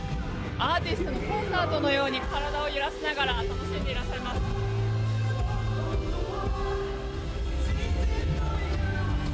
アーティストのコンサートのように皆さん、体を揺らしながら楽しんでいらっしゃいます。